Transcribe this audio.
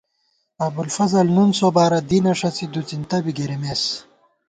ابُوالفضل نُن سوبارہ دینہ ݭَڅی دُڅِنتہ بی گِرِمېس